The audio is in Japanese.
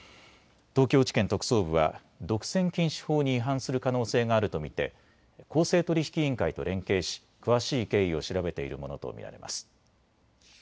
東京地検特捜部は独占禁止法に違反する可能性があると見て公正取引委員会と連携し詳しい経緯を調べているものと見られます。